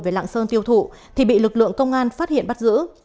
về lạng sơn tiêu thụ thì bị lực lượng công an phát hiện bắt giữ